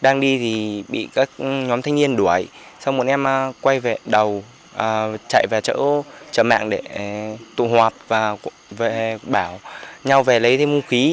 đang đi thì bị các nhóm thanh niên đuổi xong một em quay về đầu chạy về chợ mạng để tụ hoạt và bảo nhau về lấy thêm hung khí